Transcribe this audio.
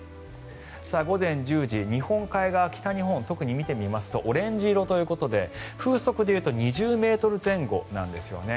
午前１０時日本海側、北日本を特に見てみますとオレンジ色ということで風速でいうと２０ｍ前後なんですね。